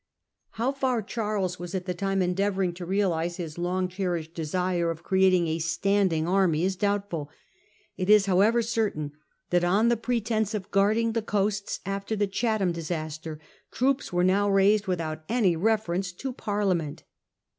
How far wpporting Charles was at the time endeavouring to realise forced con his long cherished desire of creating a standing tnbutions. army } s doubtful. It is however certain that, on pretence of guarding the coasts after the Chatham disaster, troops were now raised without any reference to Parliament.